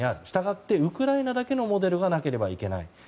したがってウクライナだけのモデルがなければいけない。